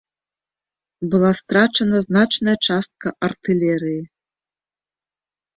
Была страчана значная частка артылерыі.